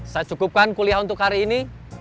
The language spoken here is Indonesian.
saya cukupkan kuliah untuk hari ini